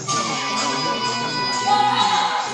کله کله ئې د لور او زوم تر منځ ستونزي جوړي سي.